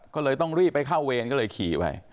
ก็เลยต้องรีบไปเข้าเวรก็เลยขี่ไป